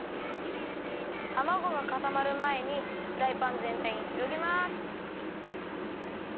たまごがかたまるまえにフライパンぜんたいにひろげます。